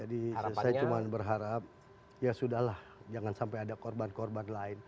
jadi saya cuma berharap ya sudah lah jangan sampai ada korban korban lain